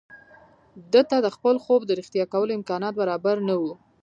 ده ته د خپل خوب د رښتيا کولو امکانات برابر نه وو.